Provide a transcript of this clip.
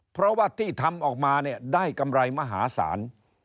เพราะว่าที่ทำออกมาเนี่ยได้กำไรมหาศาล